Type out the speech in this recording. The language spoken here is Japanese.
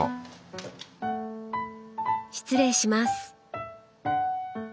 失礼します。